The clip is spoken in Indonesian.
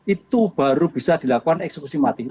itu baru bisa dilakukan eksekusi mati